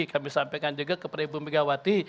kami sampaikan juga kepada ibu megawati